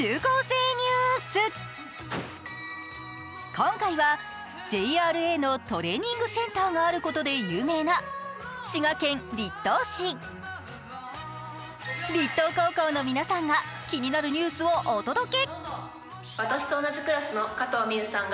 今回はＪＲＡのトレーニングセンターがあることで有名な滋賀県栗東市、栗東高校の皆さんが気になるニュースをお届け。